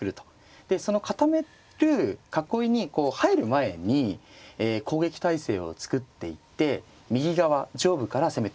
でその固める囲いに入る前に攻撃態勢を作っていって右側上部から攻めていこうと。